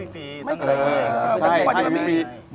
จริงมันให้มันฟรีตั้งใจให้